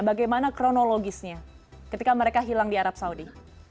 bagaimana kronologisnya ketika mereka hilang di arab saudi